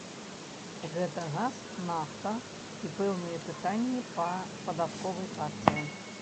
Гэта газ, нафта і пэўныя пытанні па падатковай карце.